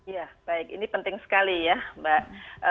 ya baik ini penting sekali ya mbak